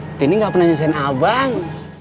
nantini gak pernah nyusahin abang